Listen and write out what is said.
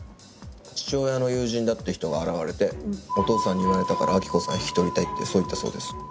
父親の友人だって人が現れてお父さんに言われたから亜希子さんを引き取りたいってそう言ったそうです。